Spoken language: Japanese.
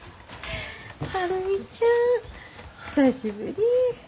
晴海ちゃん久しぶり。